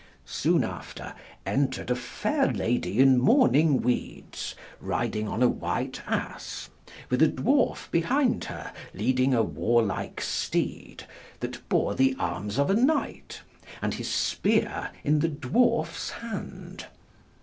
Soone after entred a faire ladye in mourning weedes, riding on a white asse, with a dwarfe behind her leading a warlike steed, that bore the armes of a knight, and his speare in the dwarfes hand.